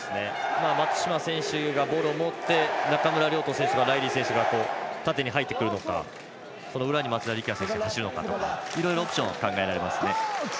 松島選手がボールを持って中村亮土選手とライリー選手が縦に入ってくるのか、その裏に松田力也選手が走るのかいろいろオプション考えられます。